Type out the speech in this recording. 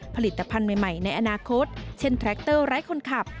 ผลิตภัณฑ์ใหม่ในอนาคตเช่นแทรคเตอร์ไร้คนขับ